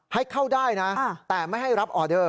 ให้เข้าได้นะแต่ไม่ให้รับออเดอร์